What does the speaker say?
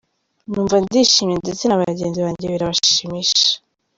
Numva ndishimye ndetse na bagenzi banjye birabashimisha.